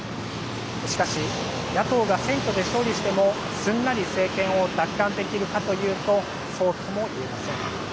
しかし、野党が選挙で勝利してもすんなり政権を奪還できるかというとそうともいえません。